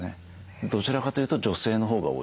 どちらかというと女性のほうが多いです。